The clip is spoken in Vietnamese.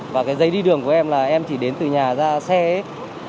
và cái giấy đi đường của em là em chỉ đến từ nhà ra xe hết